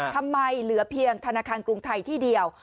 ทำไมเหลือเพียงธนาคารกรุงไทยที่เดียว